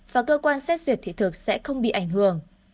và cơ quan xét duyệt thị thực sẽ không bị ảnh hưởng